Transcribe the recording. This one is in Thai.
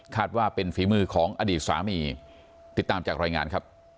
ว่าเป็นฝีมือของอดีตสามีติดตามจากรายงานครับ